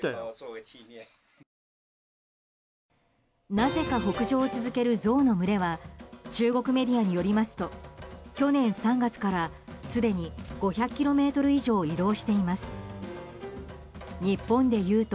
なぜか北上を続けるゾウの群れは中国メディアによりますと去年３月から、すでに５００ｋｍ以上移動しています。